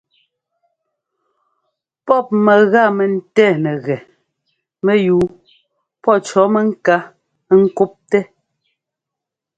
Pɔ́p mɛga mɛntɛ́ nɛgɛ mɛyúu pɔ́ cɔ̌ mɛŋká ŋ́kúptɛ́.